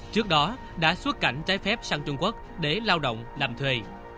trước đó đã xuất cảnh trái phép sang trung quốc để lao động làm thuê